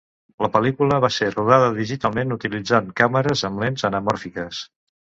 La pel·lícula va ser rodada digitalment utilitzant càmeres amb lents anamòrfiques.